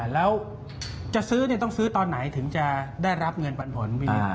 แล้วจะซื้อต้องซื้อตอนไหนถึงจะได้รับเงินปันผล